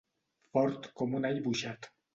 Fort com un all boixat.